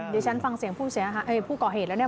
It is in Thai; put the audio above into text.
เดี๋ยวฉันฟังเสียงผู้เสียหายผู้ก่อเหตุแล้วเนี่ย